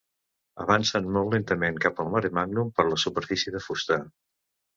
Avancen molt lentament cap al Maremàgnum per la superfície de fusta.